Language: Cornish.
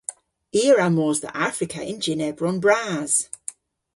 I a wra mos dhe Afrika yn jynn ebron bras.